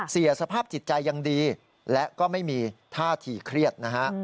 เสียสภาพจิตใจอย่างดีและก็ไม่มีท่าถี่เครียด